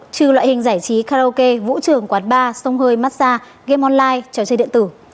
trừ loại hình giải trí karaoke vũ trường quán bar sông hơi massage game online trò chơi điện tử